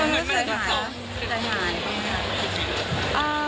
มึงจะหายหรือเปล่า